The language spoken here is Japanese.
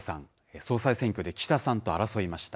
総裁選挙で岸田さんと争いました。